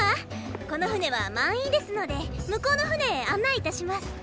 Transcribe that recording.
この船は満員ですので向こうの船へ案内いたします。